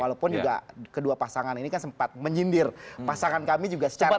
walaupun juga kedua pasangan ini kan sempat menyindir pasangan kami juga secara